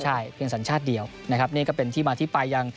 ใช่เพียงสัญชาติเดียวนะครับนี่ก็เป็นที่มาที่ไปยัง